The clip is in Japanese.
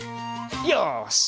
よし。